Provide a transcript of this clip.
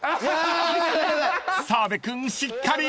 ［澤部君しっかり！］